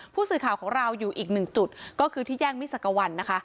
ผู้สื่อข่าวของเราอยู่อีกหนึ่งจุดก็คือที่แย่งมิสักวันนะคะ